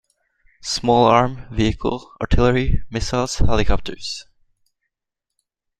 Small arm, vehicle, artillery, missiles, helicopters.